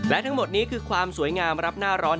และทั้งหมดนี้คือความสวยงามรับหน้าร้อน